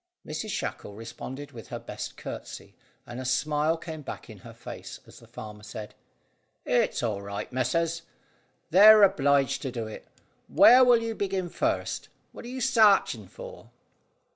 Mrs Shackle responded with her best curtsey, and a smile came back in her face as the farmer said, "It's all right, missus; they're obliged to do it. Where will you begin first what are you sarching for?"